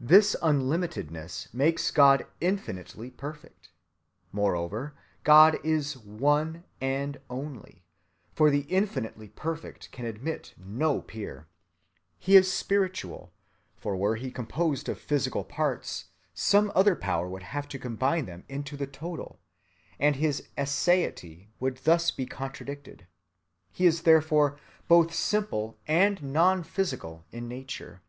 This unlimitedness makes God infinitely perfect. Moreover, God is One, and Only, for the infinitely perfect can admit no peer. He is Spiritual, for were He composed of physical parts, some other power would have to combine them into the total, and his aseity would thus be contradicted. He is therefore both simple and non‐physical in nature.